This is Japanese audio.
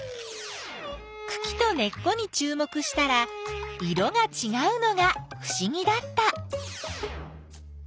くきと根っこにちゅう目したら色がちがうのがふしぎだった。